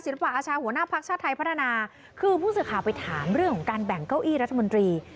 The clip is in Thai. ศิลปะอาชารกับหัวหน้าภาคชาติไทยพัฒนาคือผู้ศึกษาไปถามเรื่องของการแบ่งเก้าอี้รัฐมนตรี